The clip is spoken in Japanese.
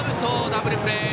ダブルプレー！